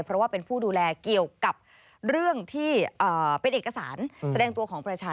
เพราะว่าเป็นผู้ดูแลเกี่ยวกับเรื่องที่เป็นเอกสารแสดงตัวของประชาชน